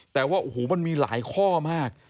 แต่ว่าโอ้โหมันมีหลายข้อมาก